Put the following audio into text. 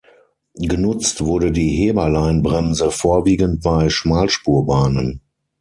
Genutzt wurde die Heberleinbremse vorwiegend bei Schmalspurbahnen.